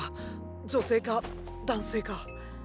女性か男性か。